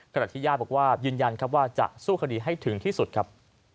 กฎฐิญาณบอกว่ายืนยันว่าจะสู้คดีให้ถึงที่สุดครับ